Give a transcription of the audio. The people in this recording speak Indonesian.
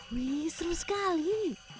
wih seru sekali